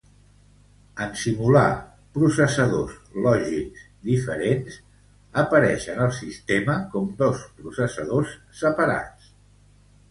En simular processadors lògics diferents apareixen al sistema com dos processadors separats.